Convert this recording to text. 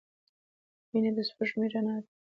• مینه د سپوږمۍ رڼا ده.